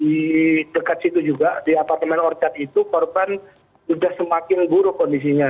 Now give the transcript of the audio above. di dekat situ juga di apartemen orchard itu korban sudah semakin buruk kondisinya